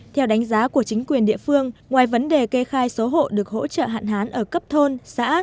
theo đánh giá của chính quyền địa phương ngoài vấn đề kê khai số hộ được hỗ trợ hạn hán ở cấp thôn xã